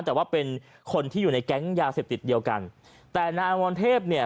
แต่ว่าเป็นคนที่อยู่ในแก๊งยาเสพติดเดียวกันแต่นายอมรเทพเนี่ย